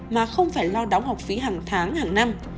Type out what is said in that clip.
mà không phải lo đóng học phí hàng tháng hàng năm